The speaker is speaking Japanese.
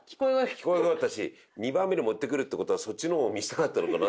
聞こえが良かったし２番目に持ってくるって事はそっちのを見せたかったのかな。